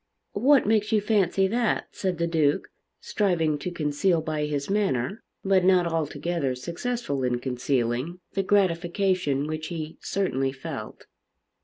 "What makes you fancy that?" said the Duke, striving to conceal by his manner, but not altogether successful in concealing, the gratification which he certainly felt.